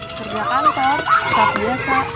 kerja kantor saat biasa